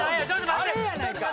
あれやないか！